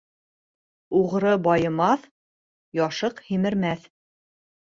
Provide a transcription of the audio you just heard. Уғры байымаҫ, яшыҡ һимермәҫ.